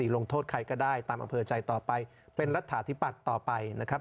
ลงโทษใครก็ได้ตามอำเภอใจต่อไปเป็นรัฐาธิปัตย์ต่อไปนะครับ